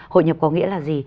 hội nhập có nghĩa là gì